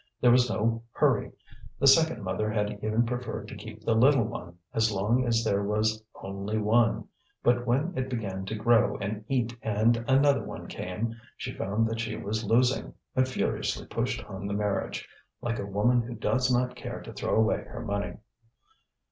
There was no hurry; the second mother had even preferred to keep the little one, as long as there was only one; but when it began to grow and eat and another one came, she found that she was losing, and furiously pushed on the marriage, like a woman who does not care to throw away her money.